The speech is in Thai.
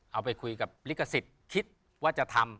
เอาไปคุยกับลิขสิทธิ์คิดว่าจะทำ